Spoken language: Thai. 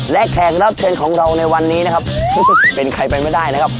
และแขกรับเชิญของเราในวันนี้นะครับเป็นใครไปไม่ได้นะครับ